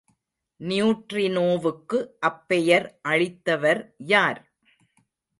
நியூட்ரினோவுக்கு அப்பெயர் அளித்தவர் யார்?